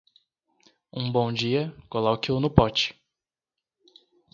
Um bom dia, coloque-o no pote.